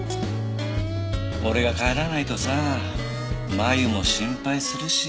俺が帰らないとさあ麻友も心配するし。